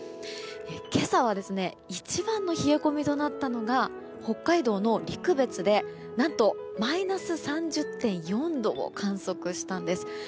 今朝は一番の冷え込みとなったのが北海道の陸別で何とマイナス３０．４度を観測したんです。